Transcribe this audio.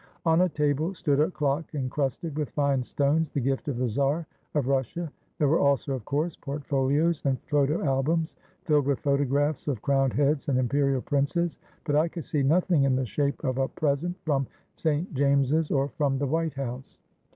On a table stood a clock incrusted with fine stones, the gift of the Czar of Russia. There were also, of course, portfolios and photo albums filled with photographs of crowned heads and imperial princes, but I could see nothing in the shape of a present from St. James's or from the White House.